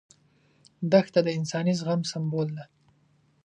دښته د انساني زغم سمبول ده.